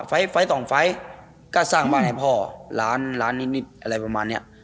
ไฟล์ต่องไฟล์ก็สร้างบ้านให้พ่อล้านนิดอะไรประมาณนี้